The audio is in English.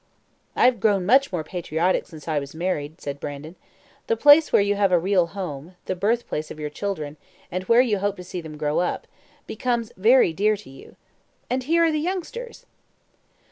"I have grown much more patriotic since I was married," said Brandon. "The place where you have a real home the birthplace of your children and where you hope to see them grow up becomes very dear to you. And here are the youngsters!"